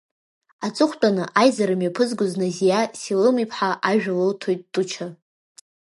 Аҵыхәтәаны аизара мҩаԥызгоз Назиа Селым-иԥҳа ажәа лылҭоит Туча.